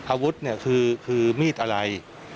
อาวุธเนี่ยคือมีดอะไร